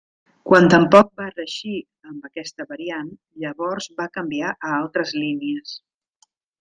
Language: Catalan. Quan tampoc va reeixir amb aquesta variant, llavors va canviar a altres línies.